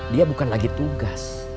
dia bukan lagi tugas